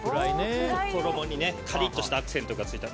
衣にカリッとしたアクセントがついた。